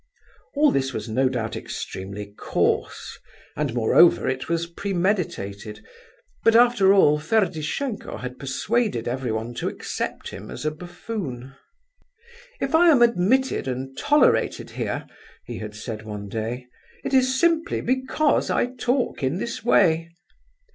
All this was no doubt extremely coarse, and moreover it was premeditated, but after all Ferdishenko had persuaded everyone to accept him as a buffoon. "If I am admitted and tolerated here," he had said one day, "it is simply because I talk in this way.